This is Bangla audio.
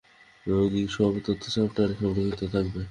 রোগীর সব তথ্য সফটওয়্যারে সংরক্ষিত থাকবে।